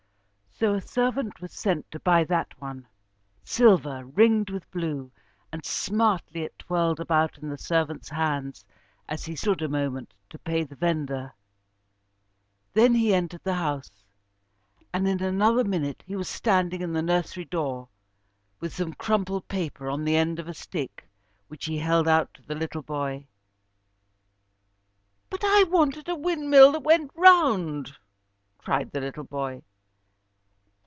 So a servant was sent to buy that one: silver, ringed with blue, and smartly it twirled about in the servant's hands as he stood a moment to pay the vendor. Then he entered the house, and in another minute he was standing in the nursery door, with some crumpled paper on the end of a stick which he held out to the little boy. "But I wanted a windmill which went round," cried the little boy.